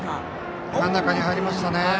真ん中に入りましたね。